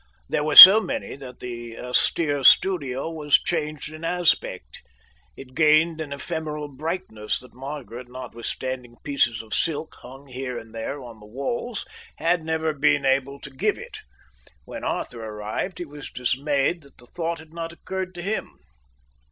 There were so many that the austere studio was changed in aspect. It gained an ephemeral brightness that Margaret, notwithstanding pieces of silk hung here and there on the walls, had never been able to give it. When Arthur arrived, he was dismayed that the thought had not occurred to him.